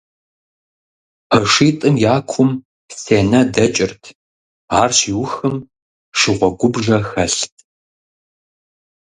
ПэшитӀым я кум сенэ дэкӀырт, ар щиухым шыгъуэгубжэ хэлът.